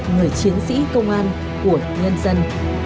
người chiến sĩ công an của nhân dân